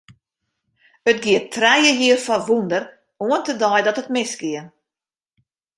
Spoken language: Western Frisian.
It gie trije jier foar wûnder, oant de dei dat it misgie.